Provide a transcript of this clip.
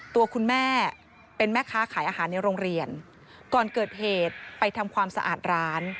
ตัวคุณแม่เป็นแม่ค้าขายอาหารในโรงเรียนก่อนเกิดเหตุไปทำความสะอาดร้าน